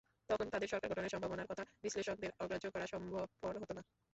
তখন তাদের সরকার গঠনের সম্ভাবনার কথা বিশ্লেষকদের অগ্রাহ্য করা সম্ভবপর হতো না।